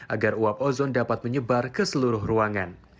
agar uap ozon dapat menyebar ke seluruh ruangan